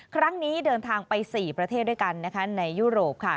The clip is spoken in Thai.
ครั้งนี้เดินทางไป๔ประเทศด้วยกันนะคะในยุโรปค่ะ